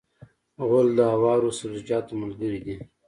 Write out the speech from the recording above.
غول د هوارو سبزیجاتو ملګری دی.